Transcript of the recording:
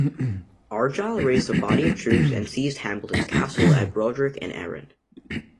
Argyll raised a body of troops and seized Hamilton's castle of Brodick in Arran.